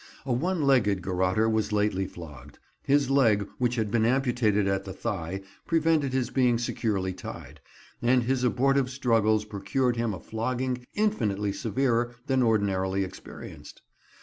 A one legged garrotter was lately flogged; his leg, which had been amputated at the thigh, prevented his being securely tied, and his abortive struggles procured him a flogging infinitely severer than ordinarily experienced.